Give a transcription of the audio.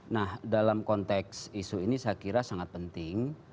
nah dalam konteks isu ini saya kira sangat penting